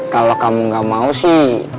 kalau kamu gak mau sih